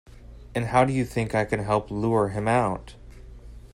And how do you think I can help lure him out?